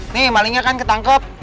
nih malingnya kan ketangkep